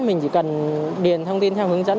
mình chỉ cần điền thông tin theo hướng dẫn